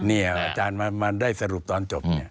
นี่อะอาจารย์มานิทธิ์มานห์ได้สรุปตอนจบ